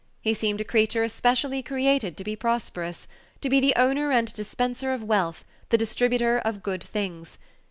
He seemed a creature especially created to be prosperous to be the owner and dispenser of wealth, the distributor of good things.